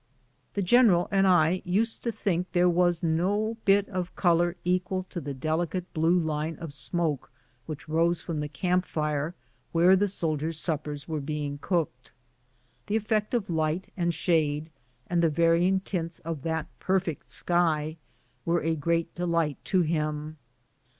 The general and I used to think there was no bit of color equal to the del icate blue line of smoke which rose from the camp fire, where the soldiers' suppers were being cooked. The effect of light and shade, and the varying tints of that perfect sky, were a great delight to him.